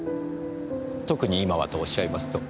「特に今は」とおっしゃいますと？